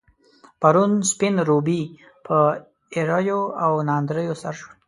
پرون، سپين روبي په ايريو او ناندريو سر شول.